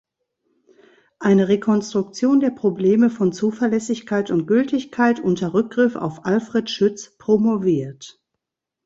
Eine Rekonstruktion der Probleme von Zuverlässigkeit und Gültigkeit unter Rückgriff auf Alfred Schütz“ promoviert.